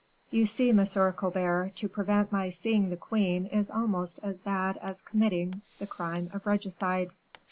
You see, Monsieur Colbert, to prevent my seeing the queen is almost as bad as committing the crime of regicide."